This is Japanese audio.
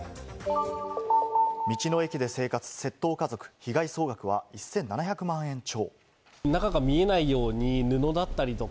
道の駅で生活、窃盗家族、被害総額は１７００万円超。